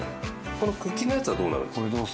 この茎のやつはどうなるんですか？